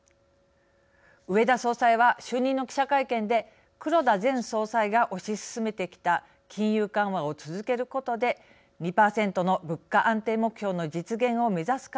植田総裁は就任の記者会見で黒田前総裁が推し進めてきた金融緩和を続けることで２％の物価安定目標の実現を目指す考えを強調しました。